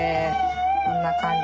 こんな感じで。